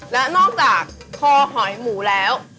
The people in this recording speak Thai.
และนอกจากคอหอยหมูแล้ว